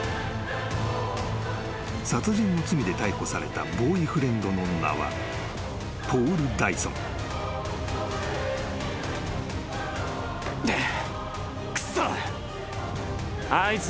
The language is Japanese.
［殺人の罪で逮捕されたボーイフレンドの名はポール・ダイソン］えっ！？